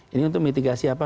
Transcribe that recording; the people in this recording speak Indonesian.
ini untuk mitigasi apa